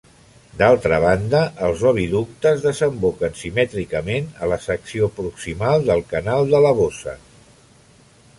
D'altra banda, els oviductes desemboquen simètricament a la secció proximal del canal de la bossa.